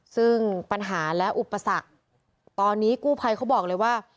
ซึ่งปัญหาและอุปสรรคตอนนี้กู้ภัยเขาบอกเลยว่า